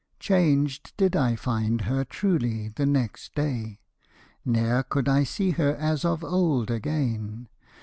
Changed did I find her, truly, the next day: Ne'er could I see her as of old again.